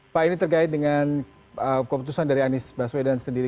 pak ini terkait dengan keputusan dari anies baswedan sendiri